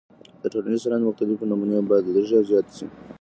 د ټولنیز چلند مختلفې نمونې باید لږې او زیاتې سي.